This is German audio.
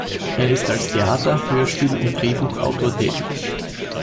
Er ist als Theater-, Hörspiel- und Drehbuchautor tätig.